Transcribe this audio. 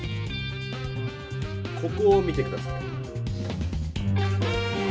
ここを見て下さい。